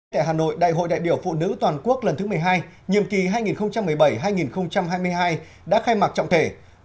tại hà nội đại hội đại biểu phụ nữ toàn quốc lần thứ một mươi hai nhiệm kỳ hai nghìn một mươi bảy hai nghìn hai mươi hai đã khai mạc trọng thể